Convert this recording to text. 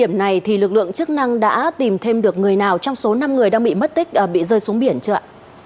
hiện tại thì vẫn chưa tìm thêm được người nào trong số năm người gặp phòng mất tích ạ